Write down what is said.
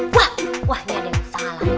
wah wah gak ada yang salah